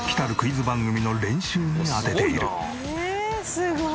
すごい。